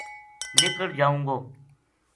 نِکڑ جائوں گو